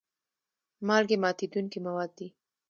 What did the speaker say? مالګې ماتیدونکي مواد دي.